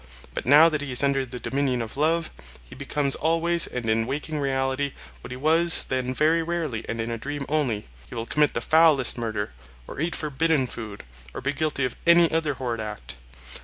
But now that he is under the dominion of love, he becomes always and in waking reality what he was then very rarely and in a dream only; he will commit the foulest murder, or eat forbidden food, or be guilty of any other horrid act.